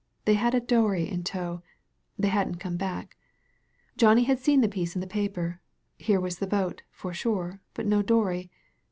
They had a dory in tow. They hadn't come back. Johnny had seen the piece in the paper. Here was the boat, for sure, but no dory.